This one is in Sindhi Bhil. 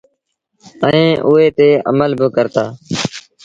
ائيٚݩ اُئي تي امل با ڪرتآ۔